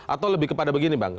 atau lebih kepada begini bang